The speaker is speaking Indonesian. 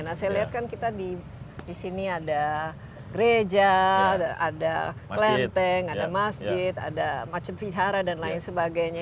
nah saya lihat kan kita di sini ada gereja ada klenteng ada masjid ada macam vihara dan lain sebagainya